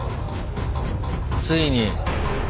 ついに。